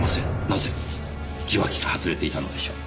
なぜ受話器が外れていたのでしょう？